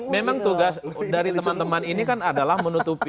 memang tugas dari teman teman ini kan adalah menutupi